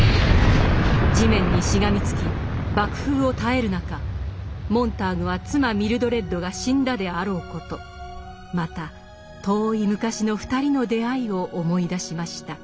地面にしがみつき爆風を耐える中モンターグは妻ミルドレッドが死んだであろうことまた遠い昔の２人の出会いを思い出しました。